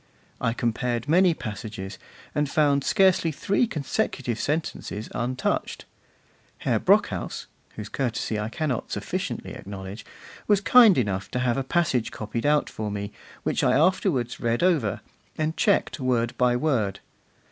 I compared many passages, and found scarcely three consecutive sentences untouched. Herr Brockhaus (whose courtesy I cannot sufficiently acknowledge) was kind enough to have a passage copied out for me, which I afterwards read over, and checked word by word.